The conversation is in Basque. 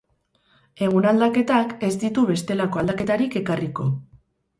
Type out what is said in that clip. Egun aldaketak ez ditu bestelako aldaketarik ekarriko.